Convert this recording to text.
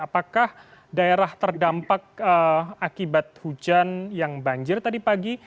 apakah daerah terdampak akibat hujan yang banjir tadi pagi